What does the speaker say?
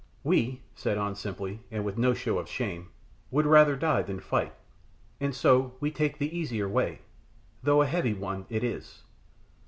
"We," said An simply, and with no show of shame, "would rather die than fight, and so we take the easier way, though a heavy one it is.